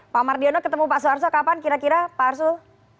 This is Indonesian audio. pak mardiono ketemu pak suarso kapan kira kira pak arsul